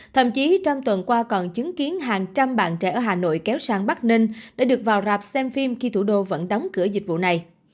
thậm chí trong tuần qua còn chứng kiến hàng trăm bạn trẻ ở hà nội kéo sang bắc ninh đã được vào rạp xem phim khi thủ đô vẫn đóng cửa dịch vụ này